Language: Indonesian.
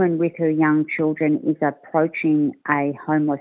jadi ketika wanita dengan anak anak muda